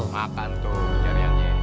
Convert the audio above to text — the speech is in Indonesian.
makan tuh di jariannya